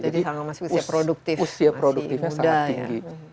jadi usia produktifnya sangat tinggi